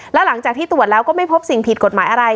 แล้วหลังจากที่ตรวจแล้วก็ไม่พบสิ่งผิดกฎหมายอะไร